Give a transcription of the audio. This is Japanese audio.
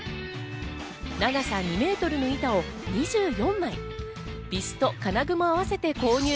長さ２メートルの板を２４枚、ビスと金具もあわせて購入。